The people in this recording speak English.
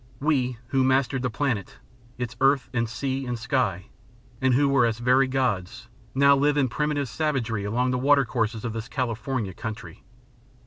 We, who mastered the planet its earth, and sea, and sky and who were as very gods, now live in primitive savagery along the water courses of this California country.